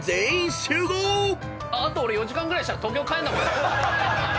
あと４時間ぐらいしたら東京に帰るんだもんな。